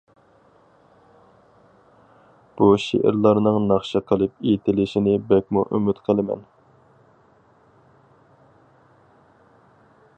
بۇ شېئىرلارنىڭ ناخشا قىلىپ ئېيتىلىشىنى بەكمۇ ئۈمىد قىلىمەن.